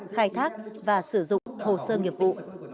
khai thác và sử dụng hồ sơ nghiệp vụ